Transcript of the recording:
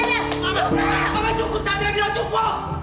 mama mama cukup sadria dia cukup